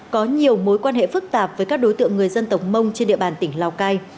có nhiều mối quan hệ phức tạp với các đối tượng người dân tộc mông trên địa bàn tỉnh lào cai